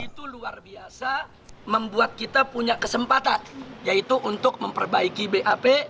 itu luar biasa membuat kita punya kesempatan yaitu untuk memperbaiki bap